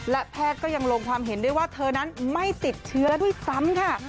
และแพทย์ก็ยังลงความเห็นได้ว่าเธอนั้นไม่ติดเชื้อด้วยซ้ำค่ะ